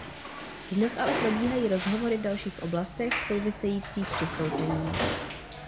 Dnes ale probíhají rozhovory v dalších oblastech souvisejících s přistoupením.